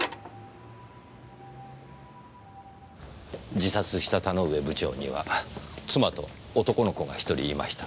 自殺した田ノ上部長には妻と男の子が１人いました。